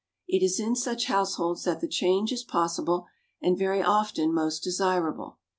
It is in such households that the change is possible, and very often most desirable.